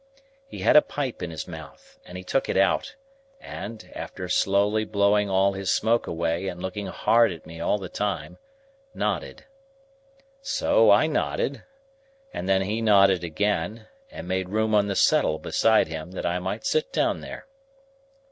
He had a pipe in his mouth, and he took it out, and, after slowly blowing all his smoke away and looking hard at me all the time, nodded. So, I nodded, and then he nodded again, and made room on the settle beside him that I might sit down there.